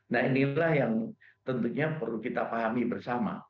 nah inilah yang tentunya perlu kita pahami bersama